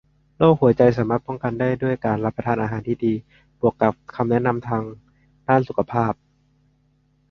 โรคหัวใจสามารถป้องกันได้ด้วยการรับประทานอาหารที่ดีบวกกับคำแนะนำทางด้านสุขภาพ